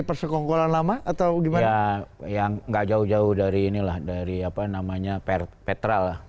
persekongkolan lama atau gimana yang enggak jauh jauh dari inilah dari apa namanya perpetual